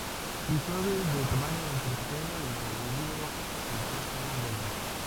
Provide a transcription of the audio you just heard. Son aves de tamaño entre pequeño y medio, que casi no vuelan.